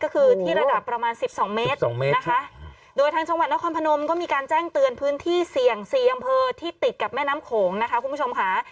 ก็คือที่ระดับประมาณสิบสองเมตรสองเมตรนะคะโดยทางจังหวัดนครพนมก็มีการแจ้งเตือนพื้นที่เสี่ยงสี่อำเภอที่ติดกับแม่น้ำโขงนะคะคุณผู้ชมค่ะ